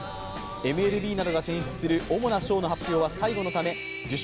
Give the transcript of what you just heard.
ＭＬＢなどが選出する主な賞の発表は最後のため受賞